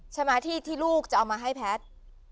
ใช่ไหมที่ลูกจะเอามาให้แพทย์